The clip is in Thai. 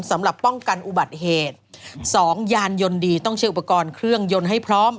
สำหรับป้องกันอุบัติเหตุสองยานยนต์ดีต้องใช้อุปกรณ์เครื่องยนต์ให้พร้อม